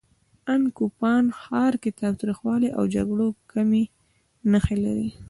ان کوپان ښار تاوتریخوالي او جګړو کمې نښې لري.